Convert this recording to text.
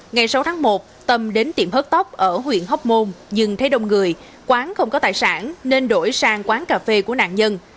ngày sáu tháng một tâm đến tiệm hớt tóc ở huyện hóc môn nhưng thấy đông người quán không có tài sản nên đổi sang quán cà phê của nạn nhân